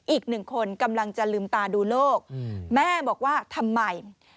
อีกหนึ่งคนกำลังจะลืมตาดูโลกแม่บอกว่าทำไม